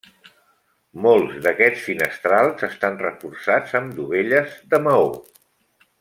Molts d'aquests finestrals estan reforçats amb dovelles de maó.